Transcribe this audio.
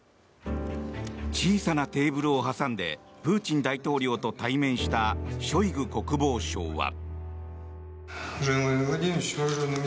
小さなテーブルを挟んでプーチン大統領と対面したショイグ国防相は。